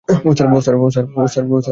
ওহ, sir?